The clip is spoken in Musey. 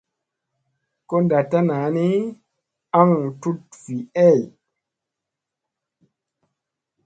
Ko ndatta naa ni aŋ tut vii ey.